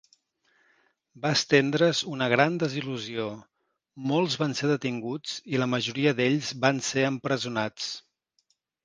Va estendre's una gran desil·lusió: molts van ser detinguts i la majoria d'ells van ser empresonats.